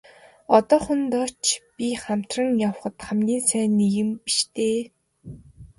Одоохондоо ч би хамтран явахад хамгийн сайн нэгэн биш дээ.